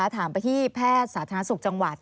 ถามไปที่แพทย์สาธารณสุขจังหวัด